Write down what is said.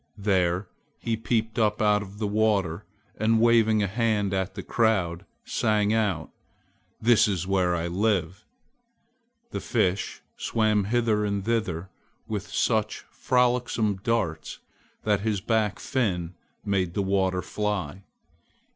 There he peeped up out of the water and, waving a hand at the crowd, sang out, "This is where I live!" The Fish swam hither and thither with such frolicsome darts that his back fin made the water fly.